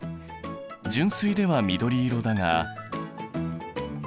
純水では緑色だが。